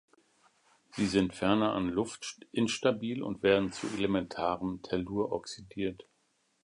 Sie sind ferner an Luft instabil und werden zu elementarem Tellur oxidiert.